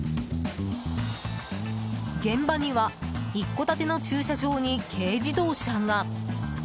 現場には一戸建ての駐車場に軽自動車が。